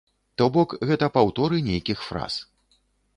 То бок, гэта паўторы нейкіх фраз.